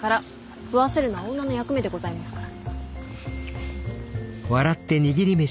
食わせるのは女の役目でございますから。